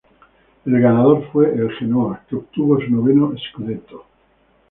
El ganador fue el Genoa, que obtuvo su noveno "scudetto".